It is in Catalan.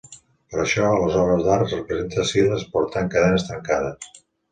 Per això, a les obres d'art es representa Silas portant cadenes trencades.